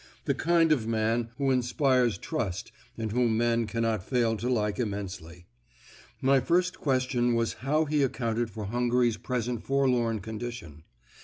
The kind of man who inspires trust and whom men cannot fail to like immensely. My first question was how he accounted for Hungary's present forlorn condition.